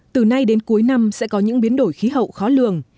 từ nay đến cuối năm sẽ có những biến đổi khí hậu khó lường